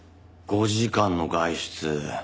５時間の外出。